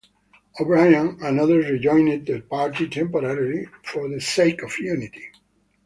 O'Brien and others rejoined the party temporarily for the sake of unity.